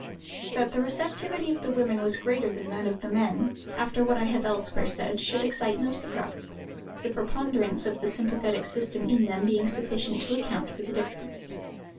That the receptivity of the women was greater than that of the men, after what I have elsewhere said, should excite no surprise; the preponderance of the sympathetic system in them being sufficient to account for the difference.